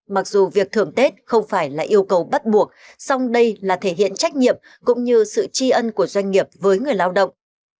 mặc dù việc thưởng tết không phải là yêu cầu bắt buộc song đây là thể hiện trách nhiệm cũng như sự tri ân của doanh nghiệp với người lao động